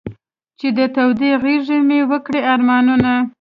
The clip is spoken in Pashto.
چې د تودې غېږې مې و کړې ارمانونه.